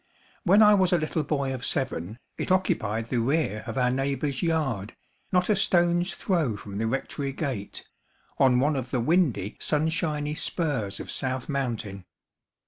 When I was a little boy of seven, it occupied the rear of our neighbor's yard, not a stone's throw from the rectory gate, on one of the windy, sunshiny spurs of South Mountain.